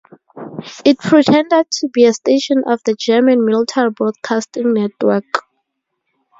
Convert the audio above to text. It pretended to be a station of the German military broadcasting network.